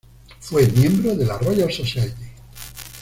Fue Miembro de la Royal Society.